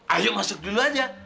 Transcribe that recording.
ayo masuk dulu aja